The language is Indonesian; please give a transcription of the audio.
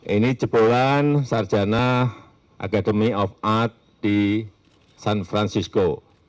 ini jebolan sarjana academy of art di san francisco